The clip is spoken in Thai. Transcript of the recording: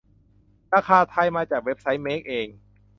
ราคาไทย มาจากเว็บไซค์แมคเอง